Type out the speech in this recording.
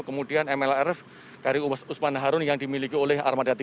kemudian mlrf kri ubas usman harun yang dimiliki oleh armada tiga